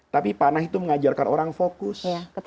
tapi panah itu mengajarkan orang fokus